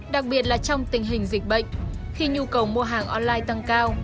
đặc biệt là trong tình hình dịch bệnh khi nhu cầu mua hàng online tăng cao